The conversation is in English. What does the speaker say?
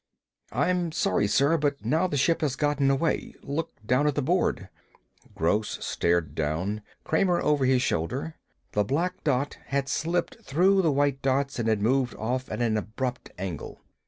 "I'm sorry, sir, but now the ship has gotten away. Look down at the board." Gross stared down, Kramer over his shoulder. The black dot had slipped through the white dots and had moved off at an abrupt angle.